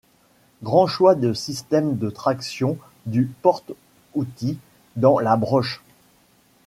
Grand choix de systèmes de traction du porte-outil dans la broche.